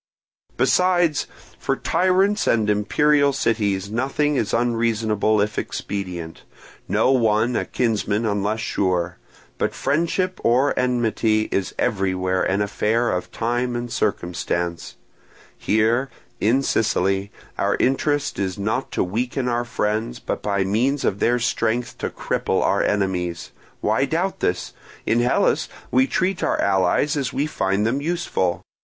"Besides, for tyrants and imperial cities nothing is unreasonable if expedient, no one a kinsman unless sure; but friendship or enmity is everywhere an affair of time and circumstance. Here, in Sicily, our interest is not to weaken our friends, but by means of their strength to cripple our enemies. Why doubt this? In Hellas we treat our allies as we find them useful.